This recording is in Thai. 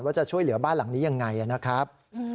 จะช่วยเหลือบ้านหลังนี้ยังไงนะครับ